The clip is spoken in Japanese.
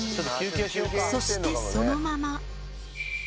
そしてそのまま。